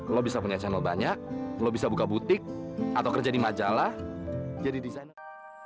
lo bisa punya channel banyak lo bisa buka butik atau kerja di majalah jadi desainer